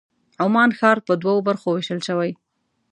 عمان ښار په دوو برخو وېشل شوی.